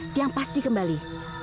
tiang pasti kembali